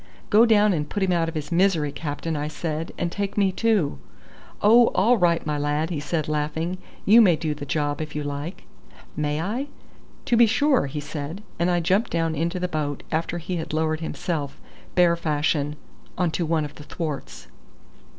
"Go down and put him out of his misery, captain," I said, "and take me too." "Oh! all right, my lad," he said, laughing. "You may do the job if you like." "May I?" "To be sure," he said; and I jumped down into the boat, after he had lowered himself, bear fashion, on to one of the thwarts.